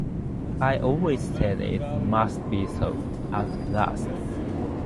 I always said it must be so, at last.